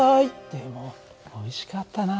でもおいしかったな。